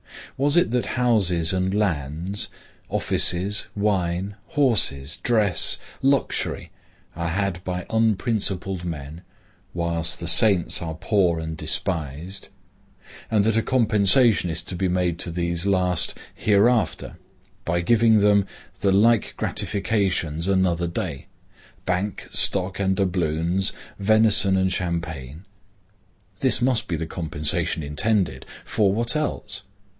Was it that houses and lands, offices, wine, horses, dress, luxury, are had by unprincipled men, whilst the saints are poor and despised; and that a compensation is to be made to these last hereafter, by giving them the like gratifications another day,—bank stock and doubloons, venison and champagne? This must be the compensation intended; for what else?